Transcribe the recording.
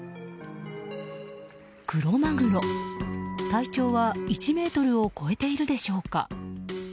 体長は１ｍを超えているでしょうか。